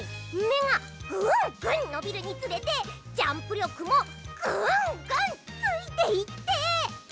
めがぐんぐんのびるにつれてジャンプりょくもぐんぐんついていって。